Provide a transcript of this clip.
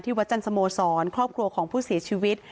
วัดจันสโมสรครอบครัวของผู้เสียชีวิต